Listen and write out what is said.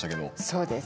そうです。